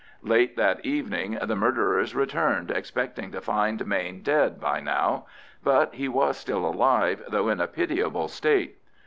Late that evening the murderers returned, expecting to find Mayne dead by now; but he was still alive, though in a pitiable state.